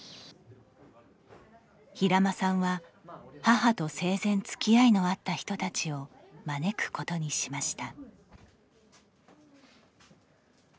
平間さんは、母と生前つきあいのあった人たちを招くことにしました。